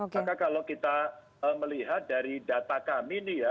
maka kalau kita melihat dari data kami nih ya